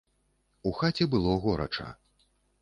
У хаце было горача.